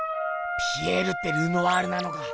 ピエールってルノワールなのか。